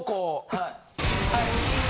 はい。